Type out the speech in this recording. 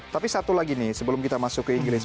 tapi satu lagi nih sebelum kita masuk ke inggris